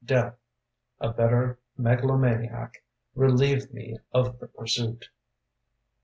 Death, a better megalomaniac, Relieved me of the pursuit.